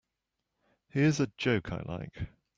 Here's a joke I like.